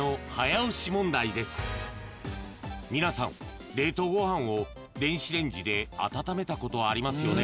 ［皆さん冷凍ご飯を電子レンジで温めたことありますよね］